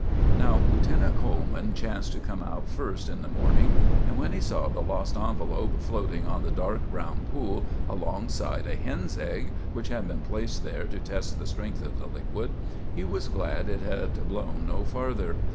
Now, Lieutenant Coleman chanced to come out first in the morning; and when he saw the lost envelop floating on the dark brown pool alongside a hen's egg, which had been placed there to test the strength of the liquid, he was glad it had blown no farther.